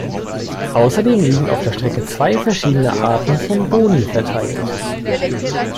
Außerdem liegen auf der Strecke zwei verschiedene Arten von Boni verteilt.